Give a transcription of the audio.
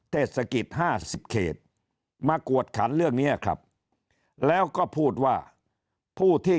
เทศกิจ๕๐เขตมากวดขันเรื่องนี้ครับแล้วก็พูดว่าผู้ที่